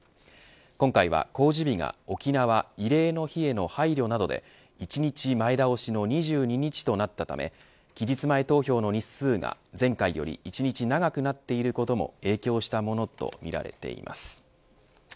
今回は、公示日が沖縄慰霊の日への配慮などで１日前倒しの２２日となったため期日前投票の日数が前回より１日長くなっていることも影響したものとみられています。